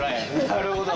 なるほど！